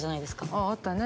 あぁあったね。